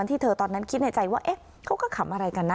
ที่เธอตอนนั้นคิดในใจว่าเขาก็ขำอะไรกันนะ